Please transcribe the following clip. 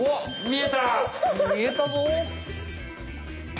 みえたぞ！